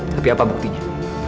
tapi apa buktinya